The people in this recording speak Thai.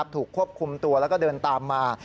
ถูกควบคุมตัวแล้วก็เดินตามมา